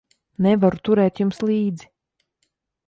Nevaru turēt jums līdzi.